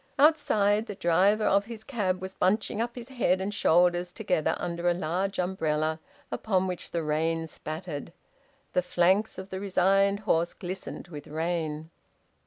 Outside, the driver of his cab was bunching up his head and shoulders together under a large umbrella, upon which the rain spattered. The flanks of the resigned horse glistened with rain.